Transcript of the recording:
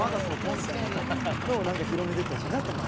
みたいなのを広めていってほしいなとも思う。